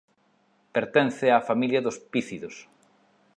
Pertence á familia dos pícidos.